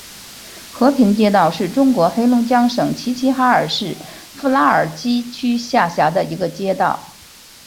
和平街道是中国黑龙江省齐齐哈尔市富拉尔基区下辖的一个街道。